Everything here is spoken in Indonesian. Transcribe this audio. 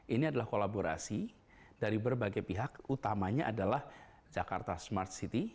ini adalah kolaborasi dari berbagai pihak utamanya adalah jakarta smart city